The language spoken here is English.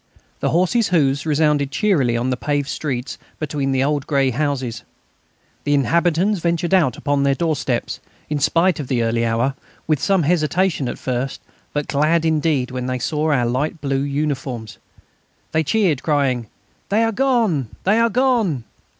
The horses' hoofs resounded cheerily on the paved streets between the old grey houses. The inhabitants ventured out upon their doorsteps, in spite of the early hour, with some hesitation at first, but glad indeed when they saw our light blue uniforms; they cheered, crying: "They are gone!... they are gone!"